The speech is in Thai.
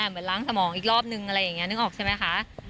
เหมือนล้างสมองอีกรอบหนึ่งนึกออกใช่ไหมคะ